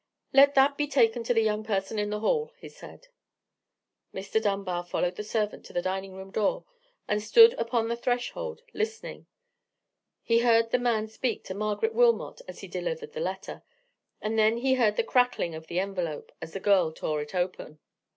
"Let that be taken to the young person in the hall," he said. Mr. Dunbar followed the servant to the dining room door and stood upon the threshold, listening. He heard the man speak to Margaret Wilmot as he delivered the letter; and then he heard the crackling of the envelope, as the girl tore it open.